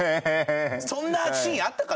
そんなシーンあったか？